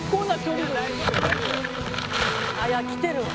あっいや来てるわ。